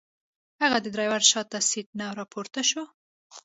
هغه د ډرایور شاته سیټ نه راپورته شو.